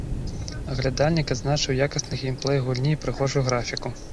Аглядальнік адзначыў якасны геймплэй гульні і прыгожую графіку.